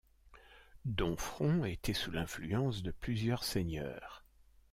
Domfront était sous l'influence de plusieurs seigneurs.